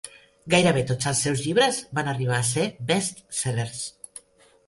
Gairebé tots els seus llibres van arribar a ser best-seller.